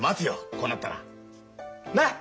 こうなったら。なあ！